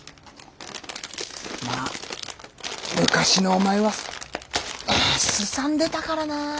まあ昔のお前はすさんでたからな。